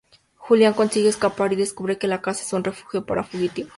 Julián consigue escapar y descubre que la casa es un refugio para fugitivos.